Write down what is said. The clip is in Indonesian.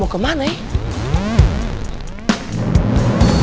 aku mau pergi ke rumah